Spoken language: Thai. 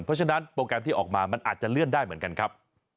เพราะฉะนั้นโปรแกรมที่ออกมามันอาจจะเลื่อนได้เหมือนกันครับ